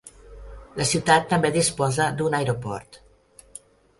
La ciutat també disposa d'un aeroport.